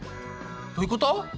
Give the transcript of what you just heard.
どういうこと？